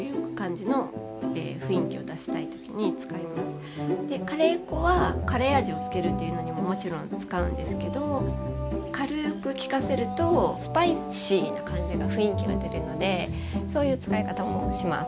クミンとコリアンダーはカレー粉はカレー味をつけるというのにももちろん使うんですけど軽くきかせるとスパイシーな感じが雰囲気が出るのでそういう使い方もします。